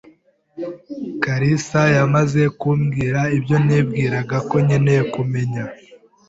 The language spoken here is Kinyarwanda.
kalisa yamaze kumbwira ibyo nibwira ko nkeneye kumenya.